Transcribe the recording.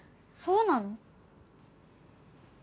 そうなの？